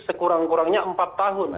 sekurang kurangnya empat tahun